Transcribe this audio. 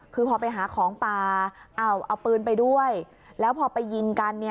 คือพอไปหาของป่าเอาปืนไปด้วยแล้วพอไปยิงกัน